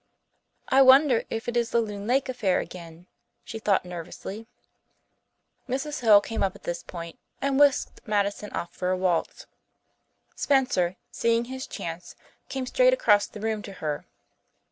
"I wonder if it is the Loon Lake affair again?" she thought nervously. Mrs. Hill came up at this point and whisked Madison off for a waltz. Spencer, seeing his chance, came straight across the room to her.